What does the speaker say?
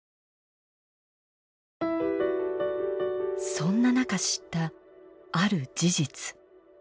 そんな中知ったある事実。